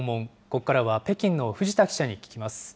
ここからは北京の藤田記者に聞きます。